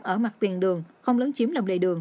ở mặt tuyến đường không lớn chiếm lòng lề đường